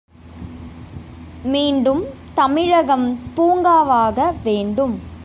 மீண்டும் தமிழகம் பூங்காவாக வேண்டும்.